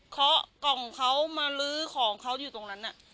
เขากล่องเขามาลื้อของเขาอยู่ตรงนั้น